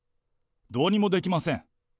どうにもできません。